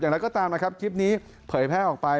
อย่างไรก็ตามนะครับคลิปนี้เผยแพร่ออกไป